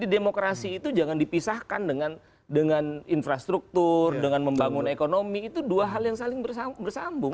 demokrasi itu jangan dipisahkan dengan infrastruktur dengan membangun ekonomi itu dua hal yang saling bersambung